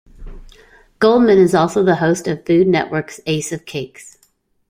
Goldman is also the host of Food Network's Ace of Cakes.